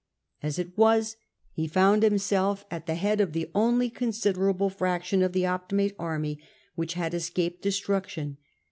As it was, he found himself at the head of the only considerable fraction of the Optimate army which had escaped destruction.